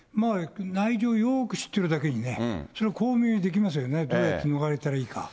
内情をよく知ってるだけにね、巧妙にできますよね、どうやって逃れたらいいか。